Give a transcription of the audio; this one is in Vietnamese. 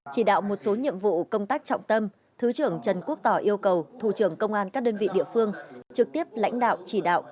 chỉ đạo một số nhiệm vụ công tác trọng tâm thứ trưởng trần quốc tỏ yêu cầu thủ trưởng công an các đơn vị địa phương trực tiếp lãnh đạo chỉ đạo